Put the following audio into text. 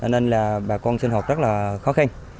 nên là bà con sinh học rất là khó khăn